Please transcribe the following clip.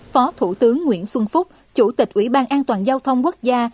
phó thủ tướng nguyễn xuân phúc chủ tịch ủy ban an toàn giao thông quốc gia